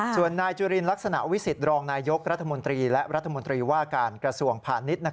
ส่วนนายจุลินลักษณะวิสิตรองนายยกรัฐมนตรีและรัฐมนตรีว่าการกระทรวงพาณิชย์